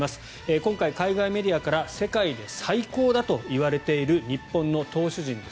今回海外メディアから世界で最高だといわれている日本の投手陣です。